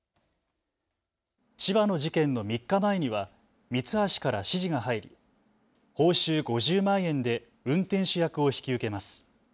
千葉の事件の３日前にはミツハシから指示が入り報酬５０万円で運転手役を引き受けます。